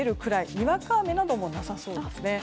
にわか雨などもなさそうです。